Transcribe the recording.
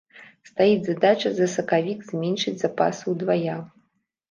Стаіць задача за сакавік зменшыць запасы ўдвая.